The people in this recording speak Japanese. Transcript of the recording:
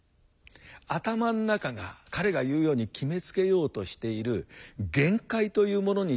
頭ん中が彼が言うように決めつけようとしている限界というものに対する魔よけ。